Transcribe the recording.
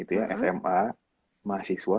itu ya sma mahasiswa